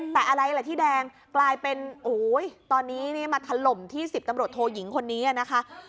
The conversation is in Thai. แต่อะไรล่ะที่แดงกลายเป็นโอ้โหตอนนี้มาถล่มที่๑๐ตำรวจโทยิงคนนี้นะคะ